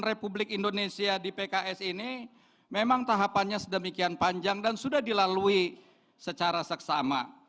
republik indonesia di pks ini memang tahapannya sedemikian panjang dan sudah dilalui secara seksama